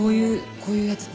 こういうやつで。